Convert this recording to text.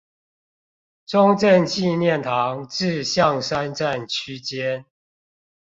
中正紀念堂至象山站區間